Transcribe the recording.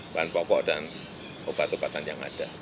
bahan pokok dan obat obatan yang ada